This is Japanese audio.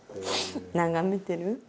眺めてる。